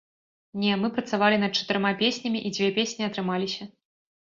Не, мы працавалі над чатырма песнямі, і дзве песні атрымаліся.